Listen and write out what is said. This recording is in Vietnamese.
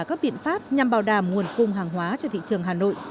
các biện pháp nhằm bảo đảm nguồn cung hàng hóa cho thị trường hà nội